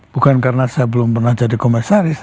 bukan karena saya belum pernah jadi komisaris